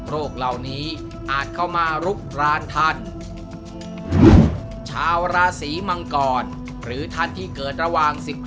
เหล่านี้อาจเข้ามาลุกรานท่านชาวราศีมังกรหรือท่านที่เกิดระหว่าง๑๕